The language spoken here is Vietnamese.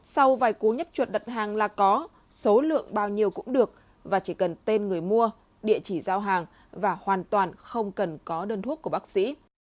sau vài cú nhấp chuột đặt hàng là có số lượng bao nhiêu cũng được và chỉ cần tên người mua địa chỉ giao hàng và hoàn toàn không cần có đơn thuốc của bác sĩ